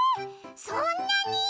そんなに？